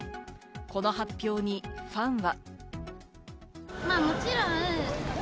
この発表にファンは。